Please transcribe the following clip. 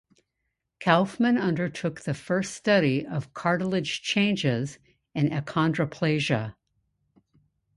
Kaufmann undertook the first study of cartilage changes in achondroplasia.